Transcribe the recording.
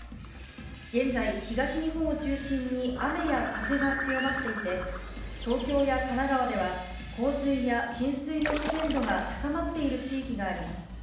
現在、東日本を中心に雨や風が強まっていて、東京や神奈川では、洪水や浸水の危険度が高まっている地域があります。